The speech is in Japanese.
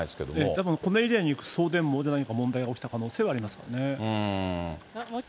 たぶんこのエリアに行く送電網で何か問題が起きた可能性はありますかね。